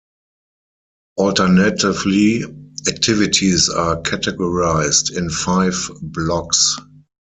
Alternatively activities are categorized in five "blocks".